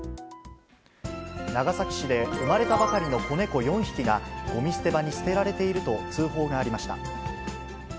長崎市で産まれたばかりの子猫４匹が、ごみ捨て場に捨てられていると通報がありました。